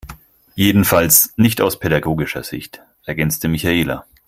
Jedenfalls nicht aus pädagogischer Sicht, ergänzte Michaela.